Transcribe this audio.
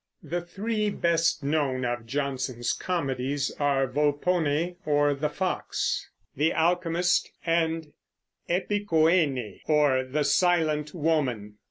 The three best known of Jonson's comedies are Volpone, or the Fox, The Alchemist, and _Epicoene, or the Silent Woman.